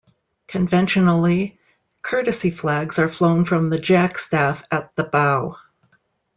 Conventionally, courtesy flags are flown from the jackstaff at the bow.